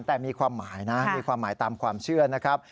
แต่มีความหมายนะมีความหมายตามความเชื่อนะครับ